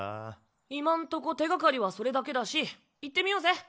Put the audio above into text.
今んとこ手がかりはそれだけだし行ってみようぜ。